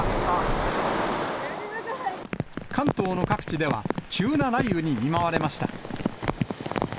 関東の各地では、急な雷雨に見舞われました。